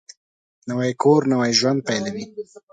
نوی کور نوی ژوند پېلوي